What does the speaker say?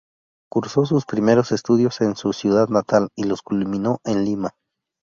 Cursó sus primeros estudios en su ciudad natal y los culminó en Lima.